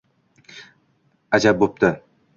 Ajab bo'pti.